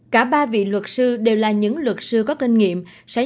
cả ba vị luật sư đều là những luật sư có kinh nghiệm